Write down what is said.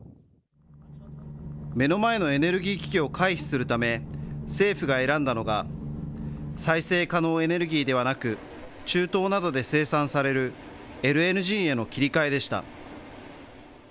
目の前のエネルギー危機を回避するため、政府が選んだのが、再生可能エネルギーではなく、中東などで生産されるＬＮＧへの切り替えでした。